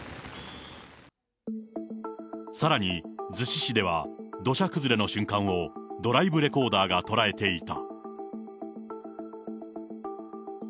さらに逗子市では、土砂崩れの瞬間を、ドライブレコーダーが捉えていた。